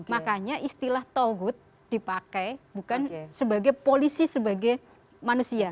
makanya istilah tauhud dipakai bukan sebagai polisi sebagai manusia